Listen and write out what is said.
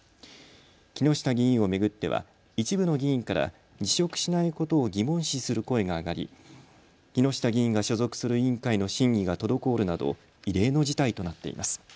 木下議員を巡っては一部の議員から辞職しないことを疑問視する声が上がり木下議員が所属する委員会の審議が滞るなど異例の事態となっています。